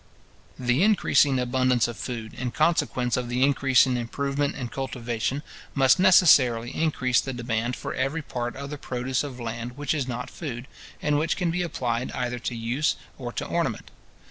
The increasing abundance of food, in consequence of the increasing improvement and cultivation, must necessarily increase the demand for every part of the produce of land which is not food, and which can be applied either to use or to ornament.